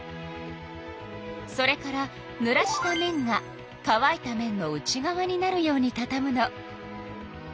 それからぬらした面がかわいた面の内側になるようにたたむの。